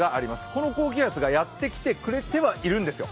この高気圧がやってきてくれてはいるんですよ。